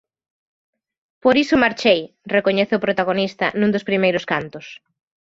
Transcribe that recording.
"Por iso marchei", recoñece o protagonista nun dos primeiros "Cantos".